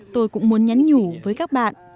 tôi cũng muốn nhắn nhủ với các bạn